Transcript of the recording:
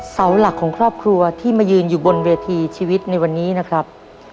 เสาหลักของครอบครัวที่มายืนอยู่บนเวทีชีวิตในวันนี้นะครับ